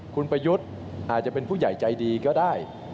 คุณประยุทธ์อาจจะเป็นผู้ใหญ่ใจดีก็ได้